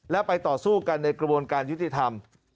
และไปต่อสู้กันในกระบวนการยุติธรรม